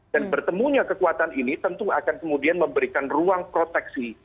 dan pertemunya kekuatan ini tentu akan kemudian memberikan ruang proteksi